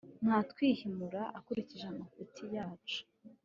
ntatwihimura akurikije amafuti yacu